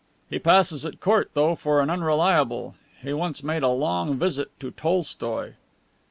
"He passes at court, though, for an unreliable. He once made a long visit to Tolstoi."